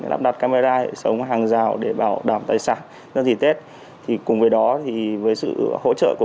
lắp đặt camera để sống hàng rào để bảo đảm tài sản nhân dịp tết cùng với đó với sự hỗ trợ của